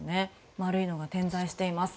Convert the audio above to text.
丸いのが点在しています。